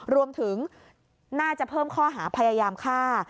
รวมถึงน่าจะเพิ่มข้อหาพยายามฆ่า